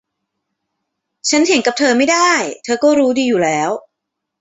ฉันเถียงกับเธอไม่ได้ เธอก็รู้ดีอยู่แล้ว